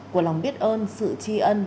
của lòng biết ơn sự chi ơn